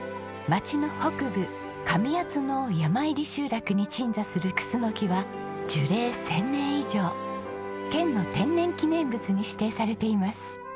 町の北部上谷の山入集落に鎮座するクスノキは樹齢１０００年以上県の天然記念物に指定されています。